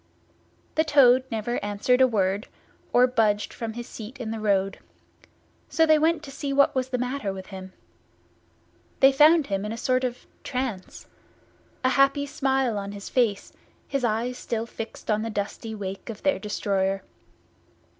The Toad never answered a word, or budged from his seat in the road; so they went to see what was the matter with him. They found him in a sort of a trance, a happy smile on his face, his eyes still fixed on the dusty wake of their destroyer.